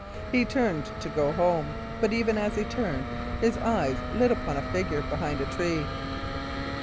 He turned to go home; but even as he turned, his eye lit upon a figure behind, a tree.